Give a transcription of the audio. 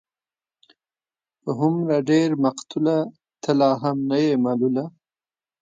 په هومره ډېر مقتوله، ته لا هم نه يې ملوله